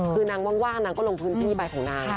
คือนางว่างนางก็ลงพื้นที่ไปของนาง